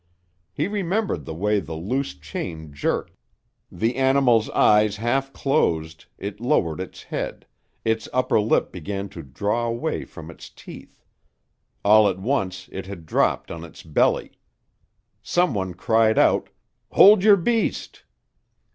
He remembered the way the loose chain jerked. The animal's eyes half closed, it lowered its head, its upper lip began to draw away from its teeth. All at once it had dropped on its belly. Some one cried out, "Hold your beast!"